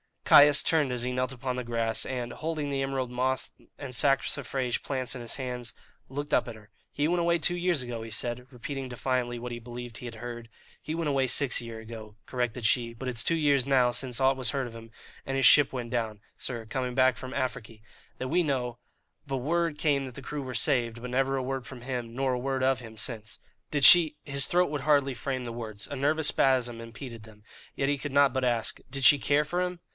Caius turned as he knelt upon the grass, and, holding the emerald moss and saxifrage plants in his hand, looked up at her. "He went away two years ago," he said, repeating defiantly what he believed he had heard. "He went away six year ago," corrected she; "but it's two years now since aught was heard of him, and his ship went down, sir, coming back from Afriky that we know; but word came that the crew were saved, but never a word from him, nor a word of him, since." "Did she" his throat would hardly frame the words a nervous spasm impeded them; yet he could not but ask "did she care for him?"